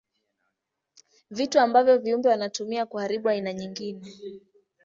Vitu ambavyo viumbe wanatumia kuharibu aina nyingine.